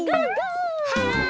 はい！